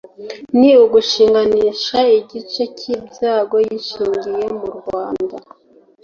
ni ugushinganisha igice cy’ibyago yishingiye mu rwanda